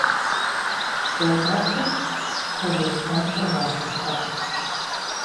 Щолэхъур Талъостэнхэ я шы лъэпкът.